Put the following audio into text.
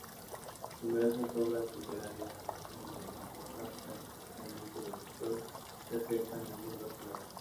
Numerosas obras literarias y cinematográficas, especialmente de ficción, reflejan el mundo escolar.